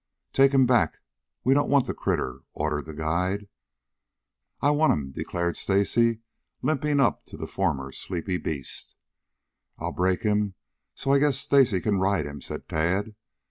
"Take him back. We don't want the critter," ordered the guide. "I I want him," declared Stacy, limping up to the former sleepy beast. "I'll break him so I guess Stacy can ride him," said Tad.